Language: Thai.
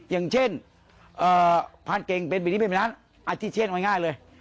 อย่างเช่นพานเก่งเป็นแบบนี้เป็นไปนั้นอาทิเช่นเอาง่ายเลย